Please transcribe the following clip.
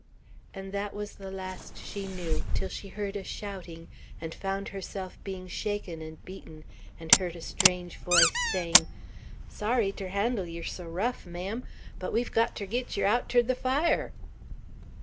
And that was the last she knew, till she heard a shouting, and found herself being shaken and beaten, and heard a strange voice saying, "Sorry ter handle yer so rough, ma'am, but we've got ter git yer out ter the fire!"